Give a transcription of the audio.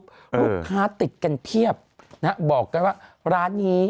ลูกค้าติดกันเพียบนะฮะบอกกันว่าร้านนี้